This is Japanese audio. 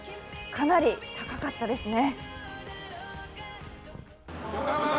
かなり高かったですね。